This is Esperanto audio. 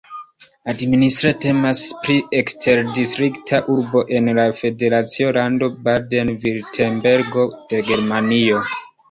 Administre temas pri eksterdistrikta urbo en la federacia lando Baden-Virtembergo de Germanio.